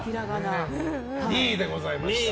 ２位でございました。